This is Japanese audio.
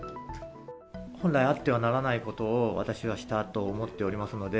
本来あってはならないことを、私はしたと思っておりますので。